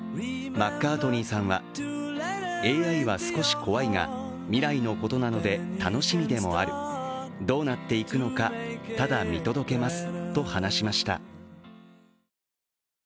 マッカートニーさんは、ＡＩは少し怖いが、未来のことなので、楽しみでもある、どうなっていくのか、ただ見届けますと話しました。